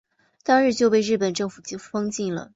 当日就被日本政府封禁了。